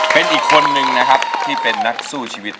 เป็นอีกคนนึงนะครับที่เป็นนักสู้ชีวิต